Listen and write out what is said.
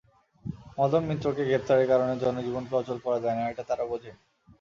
মদন মিত্রকে গ্রেপ্তারের কারণে জনজীবনকে অচল করা যায় না, এটা তাঁরা বোঝেন।